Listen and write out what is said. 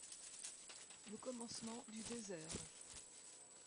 Le commencement du désert.